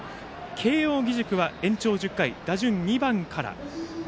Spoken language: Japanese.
慶応義塾は延長１０回打順２番から。